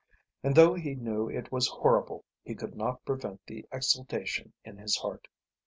And though he knew it was horrible he could not prevent the exultation in his heart.